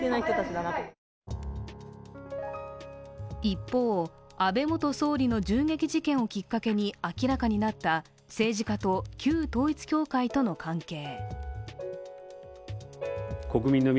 一方、安倍元総理の銃撃事件をきっかけに明らかになった政治家と旧統一教会との関係。